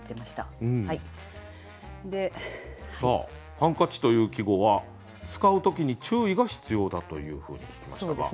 「ハンカチ」という季語は使う時に注意が必要だというふうに聞きましたが。